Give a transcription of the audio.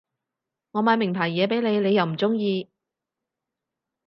我買名牌嘢畀你你又唔中意